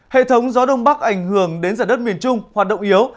hệ thống gió đông bắc ảnh hưởng đến giả đất miền trung hoạt động yếu